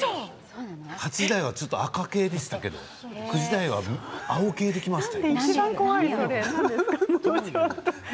８時台は赤系でしたけれど９時台は青系できました。